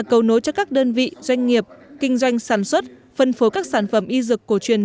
cầu nối cho các đơn vị doanh nghiệp kinh doanh sản xuất phân phối các sản phẩm y dược cổ truyền